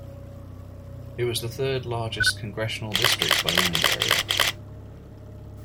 It was the third-largest congressional district by land area.